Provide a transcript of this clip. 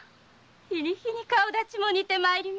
日に日に顔立ちも似て参ります。